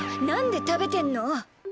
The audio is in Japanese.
なんで食べてんの？